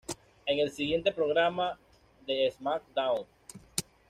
En el siguiente programa de "SmackDown!